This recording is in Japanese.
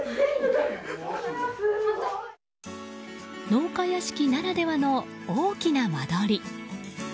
農家屋敷ならではの大きな間取り。